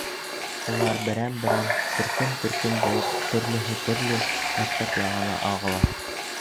Улар берәм-берәм, төркөм-төркөм булып, төрлөһө төрлө мәктәп яғына ағыла.